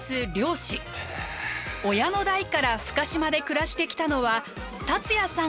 親の代から深島で暮らしてきたのは達也さん